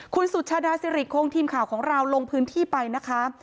คุณสุชาดาสิริคงทีมข่าวของเราลงพื้นที่ไปนะคะ